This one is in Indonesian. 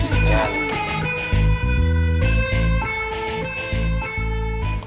kalian buat apa ini ya